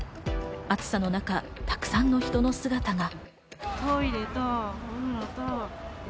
暑さの中、たくさんの人の姿が。